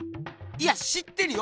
いや知ってるよ